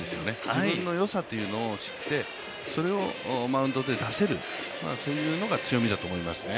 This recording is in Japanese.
自分の良さというのを知ってそれをマウンドで出せる、そういうのが強みだと思いますね。